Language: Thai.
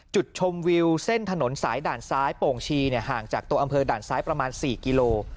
จุดชมวิวเส้นถนนสายด่านซ้ายโป่งชีห่างจากตัวอำเภอด่านซ้ายประมาณ๔กิโล